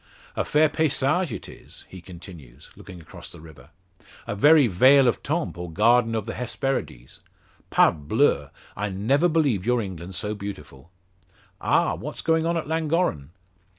A fair paysage it is!" he continues, looking across the river; "a very vale of Tempe, or Garden of the Hesperides. Parbleu! I never believed your England so beautiful. Ah! what's going on at Llangorren?"